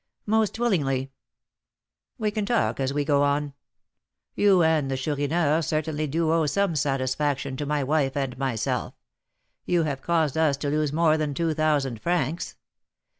"Most willingly." "We can talk as we go on. You and the Chourineur certainly do owe some satisfaction to my wife and myself, you have caused us to lose more than two thousand francs.